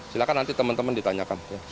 silahkan nanti teman teman ditanyakan